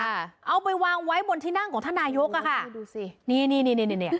เอาไปวางไว้บนที่นั่งของท่านนายกอ่ะค่ะดูสินี่นี่นี่นี่นี่